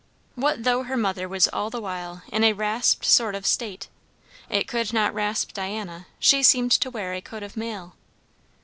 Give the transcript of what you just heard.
What though her mother was all the while in a rasped sort of state? it could not rasp Diana; she seemed to wear a coat of mail.